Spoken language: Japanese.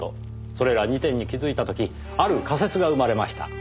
それら２点に気づいた時ある仮説が生まれました。